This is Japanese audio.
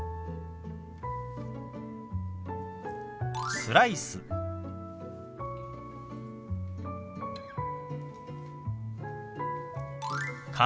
スライスか。